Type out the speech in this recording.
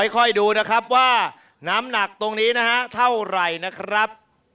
ค่อยดูนะครับว่าน้ำหนักตรงนี้นะฮะเท่าไหร่นะครับ